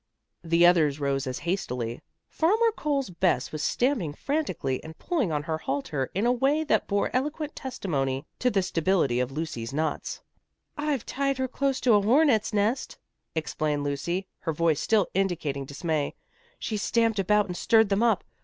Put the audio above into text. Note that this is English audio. The others rose as hastily. Farmer Cole's Bess was stamping frantically, and pulling on her halter in a way that bore eloquent testimony to the stability of Lucy's knots. "I've tied her close to a hornets' nest," explained Lucy, her voice still indicating dismay. "She's stamped about and stirred them up.